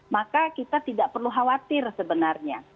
maka kita tidak perlu khawatir sebenarnya